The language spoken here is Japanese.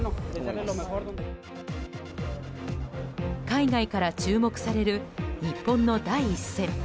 海外から注目される日本の第１戦。